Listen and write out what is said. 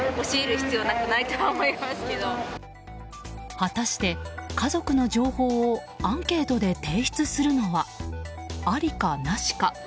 果たして、家族の情報をアンケートで提出するのはありか、なしか。